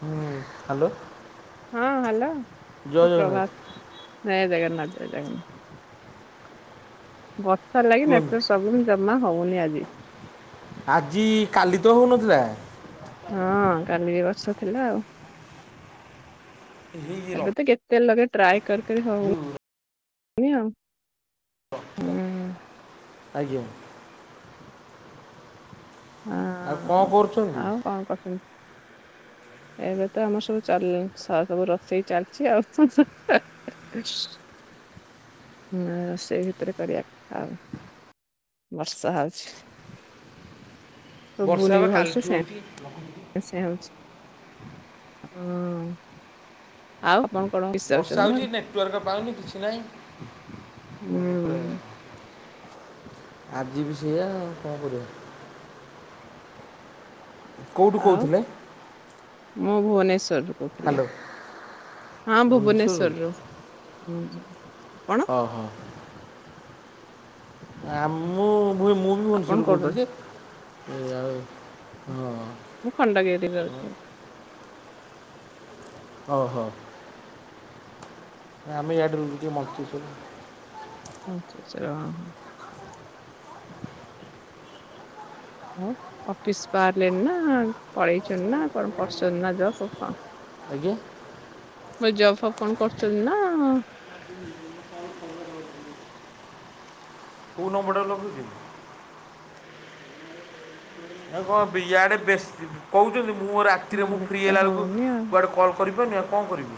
ହୁଁ ହାଲୋ। ହଁ ହାଲୋ ସୁପ୍ରଭାତ ଜୟ ଜଗନ୍ନାଥ ଜୟ ଜଗନ ବର୍ଷା ଲାଗି କୁହନ୍ତୁ ନେଟୱାର୍କ ସବୁ ହିଁ ଜମା ହୋଉନି ଆଜି। ଆଜି କାଲି ତ ହୋଉନଥିଲା। ହଁ କାଲି କି ବର୍ଷା ଥିଲା ଆଉ। ହେଇ ର ଏବେ ତ କେତେ [unintelligible] ଟ୍ରାଏ କରି କରି ହୋଉନ ଆଉ। ହୁଁ ଆଜ୍ଞା। ଆଉ ଆଂ କଣ ହୋଉ କରୁଛନ୍ତି ଆଉ କଣ କରୁଚ ଏବେ ତ ଆମର ସବୁ ଚାଲ୍ ସ ସବୁ ରୋଷେଇ ଚାଲିଚି ଆଉ। [unintelligible] [unintelligible] ହଁ ରୋଷେଇ ଭିତରେ କରିବା ଆଉ ବର୍ଷା ହୋଉଚି। ବର୍ଷା ପା କାଲି ଠୁ ହୋଉଚି। ଏ ସେ ହୋଉଚି [unintelligible] ହଁ। ଆଉ ଆପଣ କଣ ଅଫିସ ବର୍ଷା ଯାଉଚନ୍ତି ନା ହେଉଛି ନେଟୱାର୍କ ପାଉନି କିଛି ନାହିଁ ଫୋନ୍ ଉପରେ ହୁଁ। ଆଜି ବି ସେଇୟା ଆଉ କଣ କରିବା। କୋଉଠୁ ଆଉ କୋଉଥିଲେ? ମୁଁ ଭୁବନେଶ୍ଵରରୁ କୋଉ [unintelligible] ହ୍ୟାଲୋ ହଁ ଭୁବନେଶ୍ୱରରୁ ଭୁବନେଶ୍ଵରରୁ କଣ ଅ ହଁ। ଆ ମୁଁ ମୁଁ ମୁଁ ବି ଆପଣ ଭୁବନେଶ୍ୱରରୁ କୋଉଠୁ କୋହୁଥିଲି ରହୁଛନ୍ତି? ଯେ ଏ ଆଉ ମୁଁ ଖଣ୍ଡଗିରିରେ ହଁ ରହୁଚି। ହୋଉ ହୋଉ। ଆମେ ଇଆଡେ ରୁହଚେ ମଞ୍ଚେଶ୍ୱର। ମଞ୍ଚେଶ୍ୱର ହଁ ହଁ। ଆଉ ଅଫିସ ବାହାରିଲେନ ନା ପଳେଇଚନ୍ତି ନା କଣ କରଚନ୍ତି ନା ଯବ ସବୁ କଣ? ଆଜ୍ଞା। ମୁଁ [unintelligible] ଜବ ଫବ କଣ କରୁଚନ୍ତି ନା? କୋଉ ନମ୍ବରଟାରେ ଲଗୋଉଚି? ଆଉ କଣ ବି ୟାଆଡେ ବେଶୀ କୋଉଚନ୍ତି ମୁଁ ଅରା ରାତିରେ ମୁଁ ନହେଲେ ଫ୍ରି ତ ହେଲା ବେଳକୁ ହଉନି ଆଉ କୁଆଡେ କଲ୍ କରିପାରୁନି ଆଉ କଣ କରିବି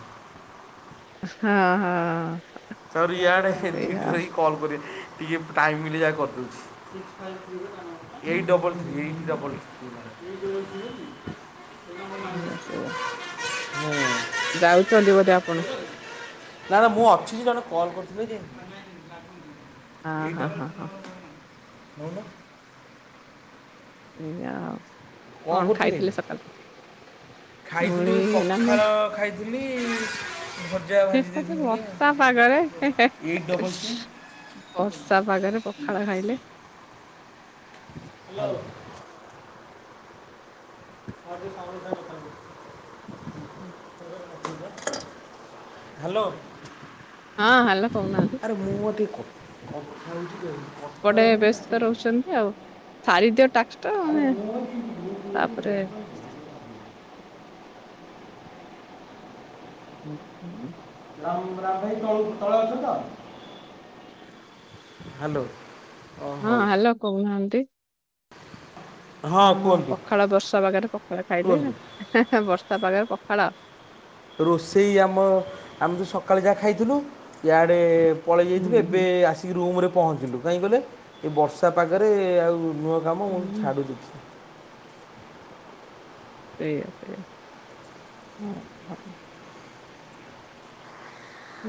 ହଁ ହଁ ତାପରେ ଇଆଡେ ସେଇଆ ଡିଢୋଇ କଲ୍ କରିବା ଟିକେ ଟାଇମ୍ ମିଳିଲେ ଯାହା କରିଦଉଛି। [unintelligible] ଏଇଟ୍ ଡବଲ ଥ୍ରୀ ଏଇଟ୍ ହୁଁ ଡବଲ ଥ୍ରି ନା କଣ ମୁ ବି [unintelligible] ଏଇ ଆଶୁ ବା ହୁଁ ଯାଉଛନ୍ତି ବୋଧେ ଆପଣ? ନା ନା ମୁଁ ଅଛି ଯେ ଜଣେ କଲ କରିଥିଲେ ଯେ ହଁ [inaudible] ହଁ ଏଇତ ହଁ ହଁ ନଉନୁ ଏଇଆ କଣ କରୁଥିଲେ ଖାଇଥିଲେ ସକାଳୁ? ଖାଇଥିଲୁ ପଖାଳ ଖାଇଥିଲି ଭଜା ଭାଜି ଦେଇଥିଲି ଟିକେ ବର୍ଷା ପାଗରେ ଆଉ ଏଇଟ୍ ଡବଲ ଥ୍ରୀ ବର୍ଷା ପାଗରେ ପଖାଳ ଖାଇଲେ ହ୍ୟାଲୋ ଆରେ ସାଉଣ୍ଡଟା [unintelligible] ହୁଁ ହ ହାଲୋ ହଁ ହାଲୋ କହୁନାହାନ୍ତି ଆରେ ମୁଁ ଗୋଟେ କ କଥା ହଉଛି କହୁନା ଏପଟେ ବ୍ୟସ୍ତ ରହୁଛନ୍ତି ଆଉ ସାରିଦିଅ ଟ୍ୟାକ୍ସ ତ ଆମେ ତାପରେ ଉ ହୁଁ ହଁ ରାମ ରାମ ଭାଇ ତଳୁ ତଳେ ଅଛନ୍ତି ତ ହାଲୋ ହଁ ହାଲୋ କହୁନାହାନ୍ତି। ହଁ ପଖାଳ ବର୍ଷା ପାଗରେ ପଖାଳ ଖାଇଲେ କୁହନ୍ତୁ ହେ ହେ ବର୍ଷା ପାଗରେ ପଖାଳ ରୋଷେଇ ଆମ ଆମେ ଯୋଉ ସକାଳେ ଯାହା ଖାଇଥିଲୁ ଇଆଡେ ପଳେଇ ହୁଁ ଯାଇଥିବେ ହୁଁ ଏବେ ଆସିକି ରୁମରେ ପହଞ୍ଚିଲୁ କାହିଁକି ଗଲେ ଏ ବର୍ଷା ପାଗରେ ଆଉ ନୂ କାମ ମୁଁ ହୁଁ ଛାଡୁଛି ସେଇଆ ସେଇଆ ହଁ ହଁ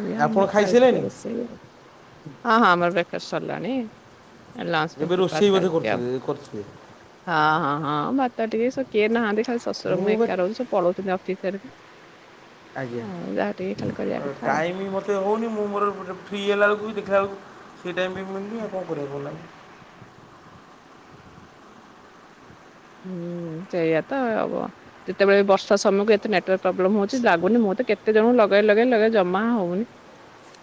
ଏଇ ଆପଣ ଆମର ଚାଲିଛି ଖାଇସାରିଲେଣି ରୋଷେଇ ଆଉ ହଁ ହଁ ଆମର ବେକାର ସରିଲାଣି। ଏ ଲାଷ୍ଟ ଏବେ ପ୍ରିପାର୍ ରୋଷେଇ ବୋଧେ ଚାଲିଚି ଆଉ କରୁଥିଲେ କରୁଥିବେ ହଁ ହଁ ହଁ ଭାତ ଟିକେ ଶୁଖି ଯାଇ କେ ନାହାନ୍ତି ଖାଲି ଶଶୁର ମୁଁ ଏକା ରହୁଛୁ। ପଳଉଛନ୍ତି ଅଫିସ ସାରିକି ଆଜ୍ଞା ହଁ ଯାହା ଟିକେ ଖାଲି କରିବା କ ଟାଇମ୍ ମୋତେ ହଉନି ମୁଁ ମୋର ଏପଟରେ ଫ୍ରି ହେଲା ବେଳକୁ ବି ଦେଖିଲା ବେଳକୁ ସେଇ ଟାଇମରେ ମିଳୁନି ଆଉ କଣ କରିବା ଭଲ ଲାଗୁନି ହୁଁ ସେୟା ତ ଆଉ କଣ ଯେତେବେଳେ ବର୍ଷା ସମୟକୁ ଏତେ ନେଟୱାର୍କ ପ୍ରୋବଲେମ ହଉଛି ଲାଗୁନି ମୁଁତ କେତେ ଜଣଙ୍କୁ ଲଗେଇ ଲଗେଇ ଲଗେଇ ଜମା ହଉନି।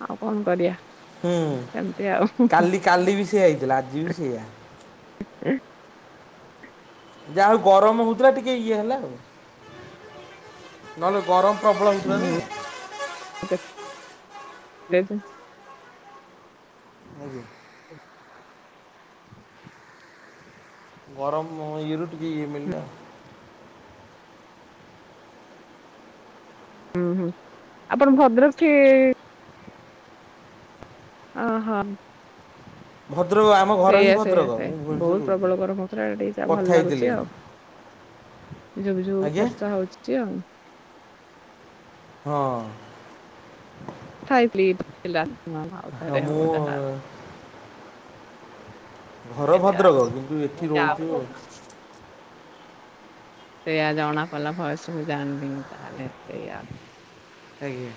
ଆଉ କଣ କରିବା ହୁଁ ସେମିତି ଆଉ ହୁଁ କାଲି କାଲି ବି ସେଇଆ ହେଇଥିଲା ଆଜି ବି ସେଇଆ। ଆଛା ଯାହା ହଉ ଗରମ ହଉଥିଲା ଟିକେ ଇଏ ହେଲା ଆଉ। ନହେଲେ ଗରମ ପ୍ରବଳ ହେଇଥିଲା ନା ଚ ଲେଇଚ [unintelligible] ଆଜ୍ଞା ଗରମ ଇଏରୁ ଟିକେ ଇଏ ମିଳିଲା ଆଉ। ଊହୁଁ ଆପଣ ଭଦ୍ରକ ସିଏ ଅ ହ। ଭଦ୍ରକ ଆ ସେଇଆ ସେଇଆ ସେଇଆ ବହୁତ ପ୍ରବଳ ଗରମ ହେଉଥିଲା ଏବେ ଟିକେ ଯାହାହେଉ କଥା ଭଲ ହେଇଥିଲେ ଲାଗୁଛି ଆଉ ଏ ଝୁପ୍ ଝୁପ୍ ଆଜ୍ଞା ବର୍ଷା ହଉଛି ଆଉ ହଁ ଖାଇଥିଲି ହଁ ମୁଁ [inaudible] ଘର ଭଦ୍ରକ କିନ୍ତୁ ଏଠି ରହୁଛୁ ଆଉ [inaudible] ସେଇୟା ଜଣାପଲା ଭଏସରୁ ଜାଣିନି ତାହେଲେ ସେଇଆ ଆଜ୍ଞା।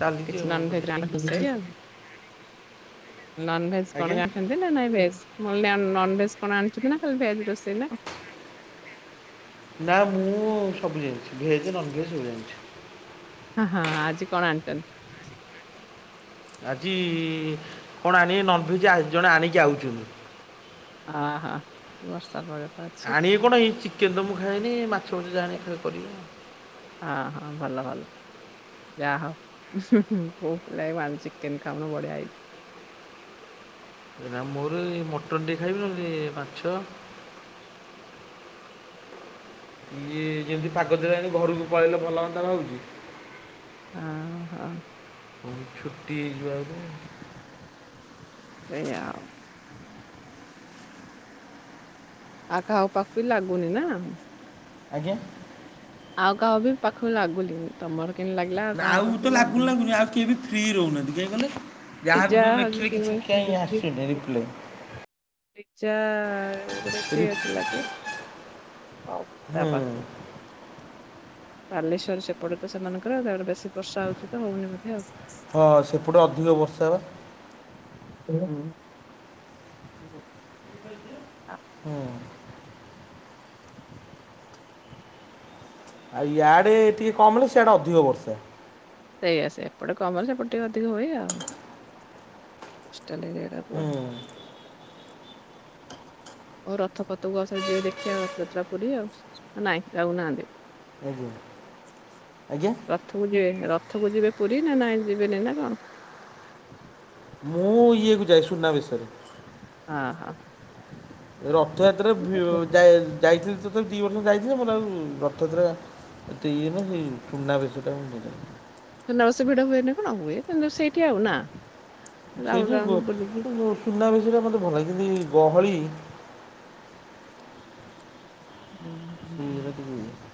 ଚାଲିଛି ଆଉ କିଛି କଣ କରିବା ନନଭେଜ [inaudible] ନନଭେଜ କଣ ଆଜ୍ଞା ଜାଣିଛନ୍ତି ନା ନାଇଁ ଭେଜ ନନଭେଜ କଣ ଆଣିଛନ୍ତି ନା ଖାଲି ଭେଜ ରୋଷେଇ ନା? ନା ମୁଁ ସବୁ ଜାଣିଛି ଭେଜ୍ ନନଭେଜ୍ ସବୁ ଜାଣିଛି। ହଁ ହଁ ଆଜି କଣ ଆଣିଛନ୍ତି? ଆଜି କଣ ଆଣିବେ ନନଭେଜ୍ ଆଜି ଜଣେ ଆଣିକି ଆଉଛନ୍ତି। ହଁ ହଁ ବର୍ଷା ପାଗତ ଆଣିବେ କଣ ଏଇ ଚିକେନ ତ ମୁଁ ଖାଏନି ମାଛ ଫାଛ ଯାହା ଆଣିକି କରିବି। ଅ ହ ଭଲ ଭଲ। ଯାହାହଉ ପୁଅପିଲା ହେଇକି ଚିକେନ ଖାଉନ ବଢିଆ ହେଇଛି। ମୋର ଏଇ ମଟନ୍ ଟିକେ ଖାଇବି ନହେଲେ ଟିକେ ମାଛ ଇଏ ଯେମିତି ପାଗ ଦେଲାଣି ଘରକୁ ପଳେଇଲେ ଭଲ ହଅନ୍ତା ଭାବୁଛି? ଓହୋ। ଛୁଟି ହେଇଯିବ ବୋଧେ। ସେୟା ଆଉ ଆଉ କାହା ପାଖକୁ ବି ଲାଗୁନି ନା? ଆଜ୍ଞା। ଆଉ କାହା ବି ପାଖକୁ ଲାଗୁନି ତମର କେମତି ଲାଗିଲା ଆଉ କାହା ପାଖକୁ ବି ଲାଗୁନି? ଆଉ କିଏବି? ଫ୍ରୀ ରହୁନାହାନ୍ତି କାହିଁକି କହିଲେ? ଯାହାକୁ ପିଜ୍ଜା ଯେଉଁ ହ ଲେଖିଲେ କି କିଛି କାହିଁ ଆସୁନି [inaudible] ରିପ୍ଲାଏ ପିଜା ଗୋଟେ ଫ୍ରି ଥିଲା ଲାଗେ। ହଉ ତା ହୁଁ ପାଖକୁ ବାଲେଶ୍ଵର ସେପଟେ ତ ସେମାନଙ୍କର ତାପରେ ବେଶୀ ବର୍ଷା ହଉଛି ତ ହଉନି ବଧେ ଆଉ ହଁ ସେପଟେ ଅଧିକ ବର୍ଷା ବା। ହୁଁ ହୁଁ। ହୁଁ। ଆଉ ଇଆଡ଼େ ଟିକେ କମ ହେଲେ ସିଆଡ଼େ ଅଧିକ ବର୍ଷା। ସେଇଆ ସେଇଆ ଏପଟେ କମ୍ ହେଲେ ସେପଟେ ଟିକେ ଅଧିକ ହୁଏ ଆଉ କୋଷ୍ଟାଲ ଏରିଆଟା ହୁଁ ଆଉ ରଥପଥକୁ ଆସ ଯିବେ ଦେଖିବା ରଥଯାତ୍ରା ପୁରୀ ଆଉ ନାଇଁ ଯାଉନାହାନ୍ତି? ଆଜ୍ଞା। ରଥକୁ ଯିବେ ରଥକୁ ଯିବେ ପୁରୀ ନା ନାଇଁ ଯିବେନି ନା କଣ? ମୁଁ ଇଏକୁ ଯାଏ ସୁୁନା ବେଶରେ। ହଁ ହଁ। ରଥଯାତ୍ରା ଭି ଯାଇ ହଁ ଯାଇଥିଲି ତ ଦି ବର୍ଷ ତଳେ ଯାଇଥିଲେ, ମୋର ଆଉ ରଥଯାତ୍ରା ଏତେ ଇଏ ନାହିଁ ସେଇ ସୁନାବେଶ ଟା ମୁଁ। [unintelligible] ସୁନାବେଶ ଭିଡ ହୁଏନା ନା କଣ ହୁଏ କିନ୍ତୁ ସେଇଠି ଆଉ ନା ସେଇ ରାଉଣ୍ଡ ଯୋଉ ରାଉଣ୍ଡ ବୁଲିକି ବ ସୁନା ବେଶରେ ମୋତେ ଭଲ ଲାଗେ ଯିନ୍ତି ଗହଳି [unintelligible]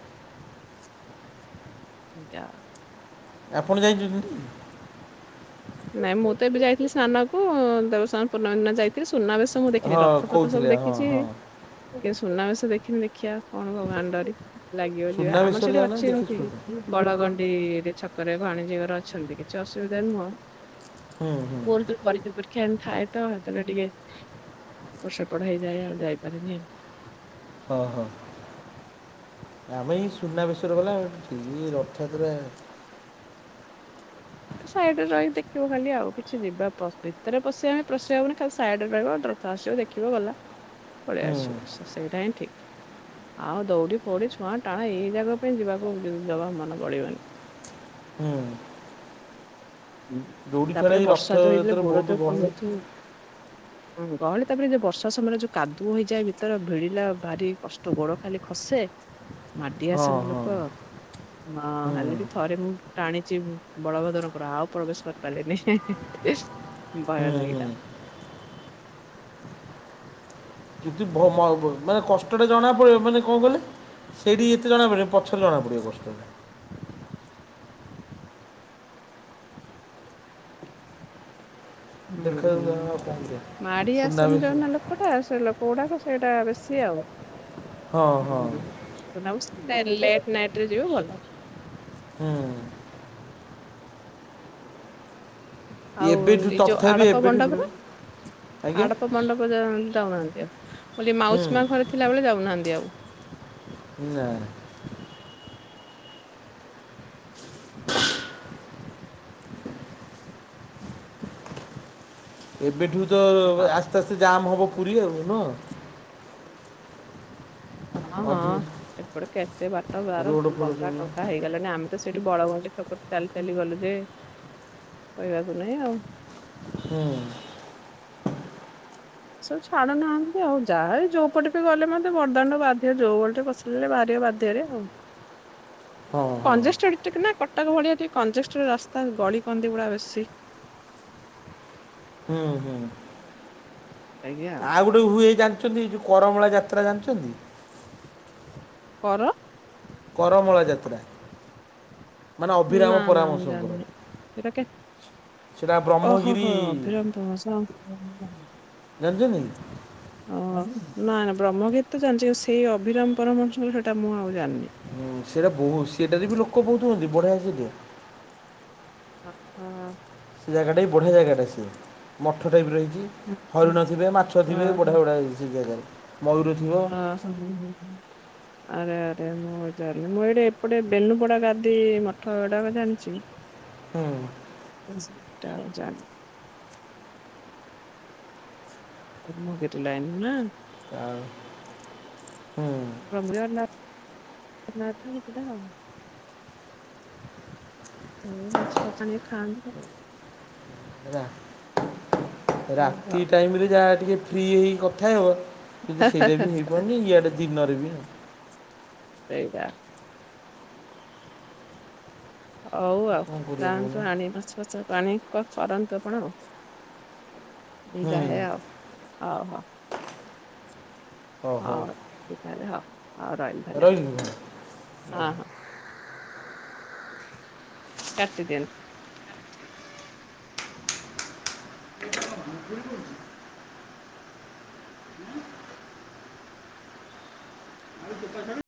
[unintelligible] ଆପଣ ଯାଇଛନ୍ତି। [unintelligible] ନାଇଁ ମୁଁ ତ ଏବେ ଯାଇଥିଲି ସ୍ନାନକୁ, ଦେବସ୍ନାନ ପୂର୍ଣ୍ଣମୀ ଦିନ ଯାଇ କିନ୍ତୁ ସୁନାବେଶ ମୁଁ ଦେଖିନି। ହଁ ରଥପଥ ସବୁ କହୁଥିଲେ ହଁ ଦେଖିଚି। ହଁ କିନ୍ତୁ ସୁନାବେଶ ଦେଖିନି ଦେଖିଆ। କଣ ଭଗବାନ ଡୋରି ଲାଗିବ ଯିବା। ଆମର ସୁନାବେଶରେ ସେଠି ଯାଉନା ଅଛି ଦେଖି ଅନ୍ତି। ଶୁଣ ବଡ଼ଗଣ୍ଡିରେ ଛକରେ ଭାଣିଜୀ ଘର ଅଛନ୍ତି, କିଛି ଅସୁବିଧା ନୁହଁ। ହୁଁ। ହୁଁ ପୁଅର ହେତେବେଳ ପରୀକ୍ଷା ଫରୀକ୍ଷା ଏମତି ଥାଏ ତ ହେଥିଲାଗି ଟିକେ ଏପଟ ସେପଟ ହେଇଯାଏ ଆଉ ଯାଇପାରେନି ଆଉ। ଓହୋ। ଆମେ ଏଇ ସୁନାବେଶ ରେ ଗଲା କି ରଥଯାତ୍ରା ସାଇଡରେ ରହି ଦେଖିବ ଖାଲି ଆଉ। କିଛି ଯିବା ଭିତରେ ପଶିବା ପଶିି ହବନି ଖାଲି ସାଇଡ ରଥ ଆସିବ ଦେ ଦେଖିବ ଗଲା ପଳେଇ ହୁଁ ଆସିବ। ସ ସେଇଟା ହିଁ ଠିକ୍। ଆଉ ଦୌଡି ଫୌଡି ଛୁଆଁ ଟଣା ଏଇ ଜାଗା ପାଇଁ ଯିବାକୁ ଯମା ମନ ବଳିବନି। ହୁଁ। ହୁଁ ଦୌଡ଼ି ଛଡ଼ା ତାପରେ ଏଇ ବର୍ଷା ତ ହେଇଥିଲେ ରଥଯାତ୍ରା ଗୋଡ ବହୁତ ତ ଗହଳି [unintelligible] ହୁଁ। ଗହଳି ତାପରେ ଯୋଉ ବର୍ଷା ସମୟରେ ଯୋଉ କାଦୁଅ ହେଇଯାଏ ଭିତର ଭିଡିଲା ଭାରି କଷ୍ଟ ଗୋଡ ଖାଲି ଖସେ। ମାଡି ହଁ ଆସନ୍ତି ହଁ ଲୋକ। ହଁ ହୁଁ ହେଲେ ବି ଥରେ ମୁଁ ଟାଣିଚି। ବଳଭଦ୍ରଙ୍କର ଆଉ ପ୍ରବେଶ କରିପାରିଲିନି। ଭୟ ହୁଁ ଲାଗିଲା ହୁଁ। [inaudible] [unintelligible] ମାନେ କଷ୍ଟ ଟା ଜଣା ପଡିବ ମାନେ କଣ କହିଲେ ସେଇଠି ଏତେ ଜଣା ପଡିବନି। ପଛରେ ଜଣା ପଡିବ କଷ୍ଟଟା। ହୁଁ ଦେଖାଯାଉ ହୁଁ। ଆଉ କ'ଣ କରିବା ମାଡ଼ି ସୁନାବେଶ ଆସନ୍ତି [unintelligible] ଟା ସେ ଲୋକ ଗୁଡାକ ସେଇଟା ବେଶୀ ଆଉ। ହଁ ହଁ ହୁଁ। ଲେଟ୍ ନାଇଟ ରେ ଯିବୁ ଭଲ। ହୁଁ। ଆଉ ଏବେଠୁ ଏ ଯୋଉ ତଥାପି ଆଡପ ଏବେଠୁ ଭିଡ଼ ମଣ୍ଡପର, ଆଜ୍ଞା ଆଡପ ମଣ୍ଡପ ଯା ଯାଉନାହାନ୍ତି ଆଉ, ମୁଁ କହିଲି ହୁଁ ମାଉସୀ ମା ଘରେ ଥିଲା ବଳେ ଯାଉନାହାନ୍ତି ଆଉ? ନା। [inaudible] ଏବେଠୁ ତ ଆ ଆଉ। ଆସ୍ତେ ଆସ୍ତେ ଜାମ୍ ହବ ପୁରୀ ଆଉ ନୁହଁ? ହଁ ହଁ, ଅଧିକ ଏପଟେ କେତେ ବାଟ ଗାର ରୋଡ଼ ଫୋଡ଼ ବଙ୍କା ସବୁ ଟଙ୍କା ହେଇ ଗଲାଣି। ଆମେ ତ ସେଇଠୁ ବଳଗଣ୍ଡି ଛକ ଠୁ ଚାଲି ଚାଲି ଗଲୁ ଯେ କହିବାକୁ ନାହିଁ ଆଉ। ହୁଁ। ସବୁ ଛାଡୁ ନାହାନ୍ତି ଆଉ। ଯାହା ବି ଯୋଉ ପଟେ ବି ଗଲେ ମତେ ବଡଦାଣ୍ଡ ବାଧ୍ୟ ଯୋଉ ବାଟେ ପଶି ଲେ ବାହାରିବ ବାଧ୍ୟରେ ଆଉ ହଁ ହଁ କଞ୍ଜଷ୍ଟେଡ୍ ଟିକେ ନା କଟକ ଭଳିଆ ଟିକେ କଞ୍ଜଷ୍ଟେଡ୍ ରାସ୍ତା ଗଳି କନ୍ଦି ଗୁଡା ବେଶୀ। ହୁଁ ହୁଁ। ଆଜ୍ଞା। ଆଉ ଗୋ ହୁଏ ଜାଣିଚନ୍ତି ଯୋଉ କରମଳା ଯାତ୍ରା ଜାଣିଚନ୍ତି? କର କରମଳା ଯାତ୍ରା। ମାନେ ଅଭିରାମ ନା ନା ମୁ ପରାମର୍ଶଙ୍କର ଜାଣିନି ସେଇଟା କେ ସେଇଟା ଓ ହୋ ବ୍ରହ୍ମଗିରି ହୋ ଅଭିରାମ ପରମହଂସ। ଜାଣିଚନ୍ତି? ଓ ହ ନା ନା ବ୍ରହ୍ମଗୀରି ତ ଜାଣିଚି ସେଇ ଅଭିରାମ ପରମହଂସ ବୋଲି ସେଟା ମୁଁ ଆଉ ଜାଣିନି। ହୁଁ ସେଇଟା ବହୁତ୍ ସେଟାରେ ବି ଲୋକ ବହୁତୁ ହୁଅନ୍ତି ବଢିଆ ସେଠି ହଁ ହଁ। ସେ ଜାଗାଟା ବି ବଢ଼ିଆ ଜାଗାଟା ସେ ମଠ ଟାଇପ୍ ର ହେଇଚି। ହୁଁ। ହରିଣ ଥିବେ ମାଛ ଥିବେ ଓହୋ ବଢିଆ ବଢିଆ ସେ ଯାଗାରେ ମୟୂର ଥିବ। ହଁ ହଁ। ଆରେ ଆରେ ମୁଁ ଜାଣିଲି ମୁଁ ଏଇଟି ଏପଟେ ବେନୁପଡା ଗାଦି ମଠ ଏଡାକ ଜାଣିଚି। [unintelligible] ହୁଁ। ସେଟା ଆଉ ଜାଣିନି। କମ ଡେଟ୍ ଲାଇନ୍‌ ନା? ଆଉ। ହୁଁ ଭଞ୍ଜନଗର ନାଥ ସେଟା ଆଉ। ଉଁ ମାଛ ଫାଛ ନେଇ କି ଖାଆନ୍ତି। ରା ହଉ ରାତି ଆଉ ଟାଇମିରେଯାହା ଟିକେ ଫ୍ରି ହେଇ କଥା ହେବ କିନ୍ତୁ ସେଇଟା ବି ହେଇପାରୁନି ଇଆଡେ ଦିନରେ ବି ଏଇଟା। ହଉ ଆଉ କ'ଣ କରିବା କହୁନ ଯାଆନ୍ତୁ ଆଣି ମାଛ ଫାଛ ପାନି ଫିକର କରନ୍ତୁ ଆପଣ ଆଉ। ମୁ ହୁଁ ଯାଏ ଆଉ ହଉ ହ। ହଉ ଠିକ ତାହା ହେଲେ ହଉ ହଉ ରହିଲି। ଧନ୍ୟବାଦ ରହିଲି। ହଁ ହଁ କାଟିଦିଅନ୍ତୁ। ଇଏ କଣ ଘୁଘୁଡିମାରୁ ଛି। ଆଳୁ ଚୋପା ଛଡେଇ